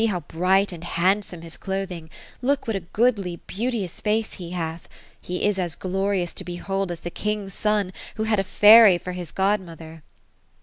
See how bright and handsome his clothing. Look what a goodly, beauteous face be hath I He is as glorious to behold, as the king's son, who had a fairy for his godmother